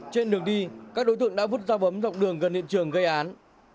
trên đường đi các đối tượng đã vứt ra bấm dọc đường gần hiện trường gây án